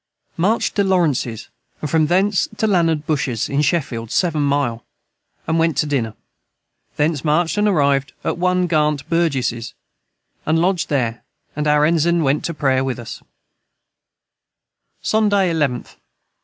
Marched to Lawrences and from thence to Landard Bushes in Shefield 7 mile and went to diner thence marched and arived at one Garnt Burges and lodged their and our Ensign went to Prayer with us Sonday 11th.